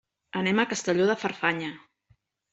Anem a Castelló de Farfanya.